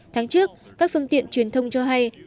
tháng trước các phương tiện truyền thông cho hay